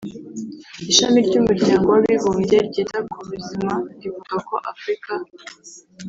Ishami ry’Umuryango w’Abibumbye ryita ku buzima rivuga ko Afrika